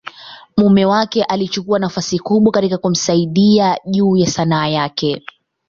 mume wake alichukua nafasi kubwa katika kumsaidia juu ya Sanaa yake.